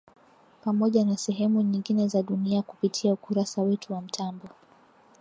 Pamoja na sehemu nyingine za dunia kupitia ukurasa wetu wa mtandao